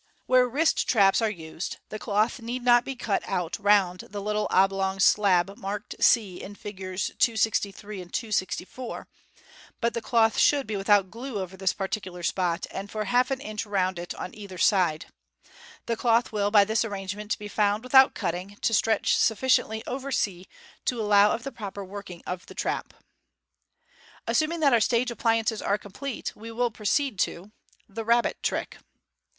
Where " wrist" traps are used, the cloth need not be cut out round Fig. 282. *5» MODERN MA GIC. the little oblong slab marked c in Figs. 263, 264, but the cloth should be without glue over this particular spot, and for half an inch round it on either side. The cloth will by this arrangement be found, without cutting, to stretch sufficiently over c to allow of the proper working of the trap. Assuming that our stage appliances are complete, we will pro* ceed to — The Rabbit Trick.